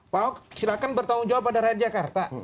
pak ahok silahkan bertanggung jawab pada rakyat jakarta